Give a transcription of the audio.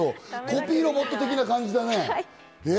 コピーロボット的な感じだね。